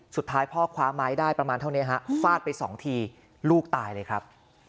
สุดท้ายพ่อคว้าไม้ได้ประมาณเท่านี้ฮะฟาดไปสองทีลูกตายเลยครับ